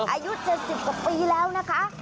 อายุ๗๐กว่าปีแล้วนะคะ